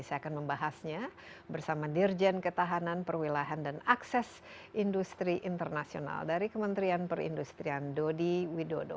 saya akan membahasnya bersama dirjen ketahanan perwilahan dan akses industri internasional dari kementerian perindustrian dodi widodo